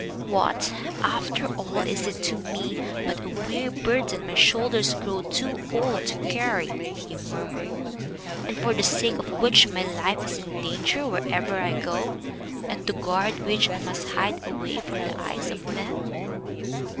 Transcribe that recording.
"What, after all, is it to me but a weary burden my shoulders grow too old to carry," he murmured, "and for the sake of which my life is in danger wherever I go, and to guard which I must hide away from the eyes of men?"